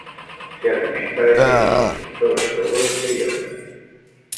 Se alimenta de semillas, sobre todo bellotas.